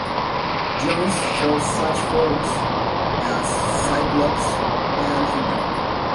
Jones for such forums as "Cyclops" and "Finger".